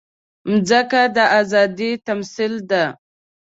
مځکه د ازادۍ تمثیل ده.